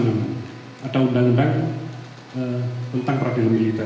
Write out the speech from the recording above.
ada undang undang tentang peradilan militer